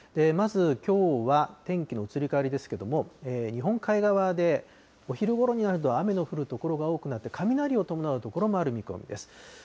まず、きょうは、天気の移り変わりですけれども、日本海側でお昼ごろになると、雨の降る所が多くなって、雷を伴う所もある見込みです。